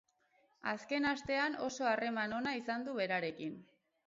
Azken astean oso harreman ona izan du berarekin.